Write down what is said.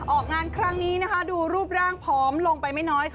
ออกงานครั้งนี้นะคะดูรูปร่างผอมลงไปไม่น้อย